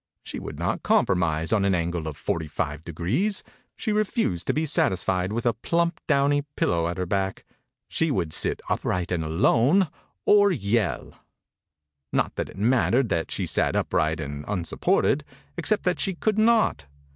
She would not compromise on an angle of forty five degrees. She refused to be satisfied with a 40 THE INCUBATOR BABY plump, downy pillow at her back. She would sit upright and alone, or yell. Not that it mattered that she sat upright and unsupported, except that she could not.